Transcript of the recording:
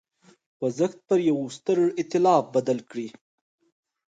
خوځښت پر یوه ستر اېتلاف بدل کړي.